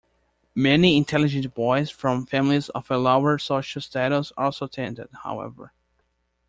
Many intelligent boys from families of a lower social status also attended, however.